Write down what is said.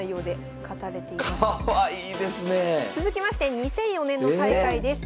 続きまして２００４年の大会です。